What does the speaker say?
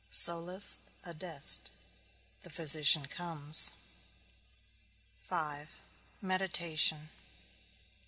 SOLUS ADEST. The physician comes V. MEDITATION.